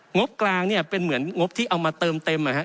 งบกลางเนี่ยเป็นเหมือนงบที่เอามาเติมเต็ม